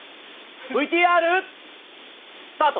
ＶＴＲスタート。